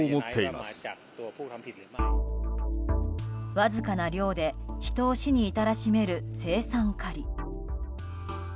わずかな量で人を死に至らしめる青酸カリ。